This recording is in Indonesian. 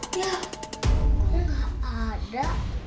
kok gak ada